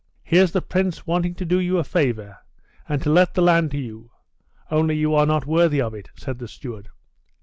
"Here's the Prince wanting to do you a favor, and to let the land to you; only you are not worthy of it," said the steward.